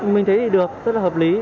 mình thấy thì được rất là hợp lý